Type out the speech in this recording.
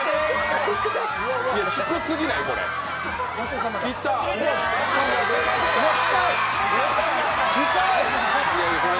低すぎない、これ？